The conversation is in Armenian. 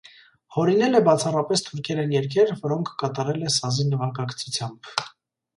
Հորինել է բացառապես թուրքերեն երգեր, որոնք կատարել է սազի նվագակցությամբ։